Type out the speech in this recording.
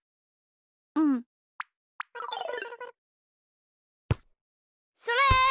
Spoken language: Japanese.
うん。それ！